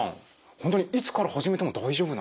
本当にいつから始めても大丈夫なんですか？